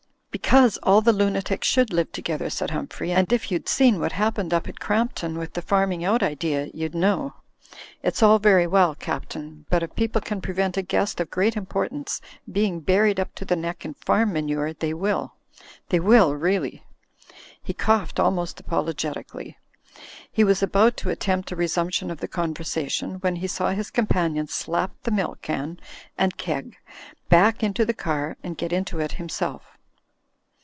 "Because all the lunatics should live together," said Humphrey, "and if you'd seen what happened up at Crampton, with the farming out idea, you'd know. It's all very well. Captain; but if people can prevent a guest of great importance being buried up to the neck in farm manure, they will. They will, really." He coughed almost apologetically. He was about to at tempt a resumption of the conversation, when he saw his companion slap the milk can and keg back into the car, and .get into it himself.